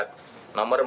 dan di jalan imam bonjol